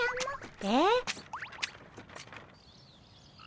えっ？